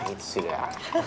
itu sih udah